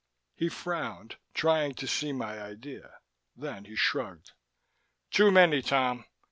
He frowned, trying to see my idea. Then he shrugged. "Too many, Tom.